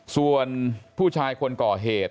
ส่วนผู้ชายคนก่อเหตุ